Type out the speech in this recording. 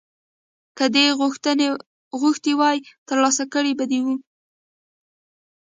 که دې غوښتي وای ترلاسه کړي به دې وو